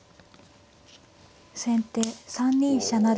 先手３二飛車成。